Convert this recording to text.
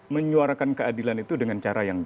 menyuarakan keadilan itu dengan cara yang baik